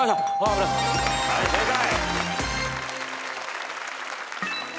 はい正解。